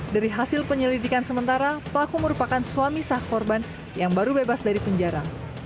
dari hasil penyelidikan sementara pelaku merupakan suami sah korban yang baru bebas dari penjara